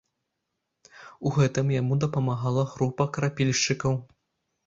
У гэтым яму дапамагала група крапільшчыкаў.